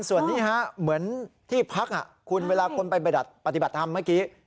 ส่วนนี้ฮะเหมือนที่พักคุณเวลาคนไปปฏิบัติธรรมเมื่อกี้